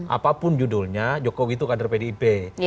apapun judulnya jokowi itu kader pdip